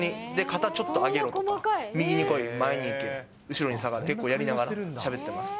肩ちょっと上げろとか、右に来い、前に行け、後ろに下がれ、結構やりながらしゃべってます。